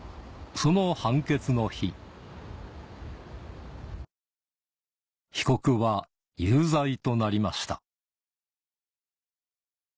その判決の日被告は有罪となりました